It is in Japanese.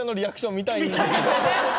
見たいな。